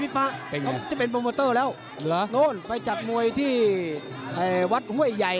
ไปจัดมวยที่วัดห้วยใหญ่